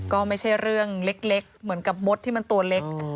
ก็ไม่ใช่เรื่องเล็กเหมือนกับมดที่มันตัวเล็ก